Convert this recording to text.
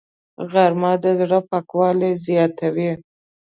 غرمه د زړه پاکوالی زیاتوي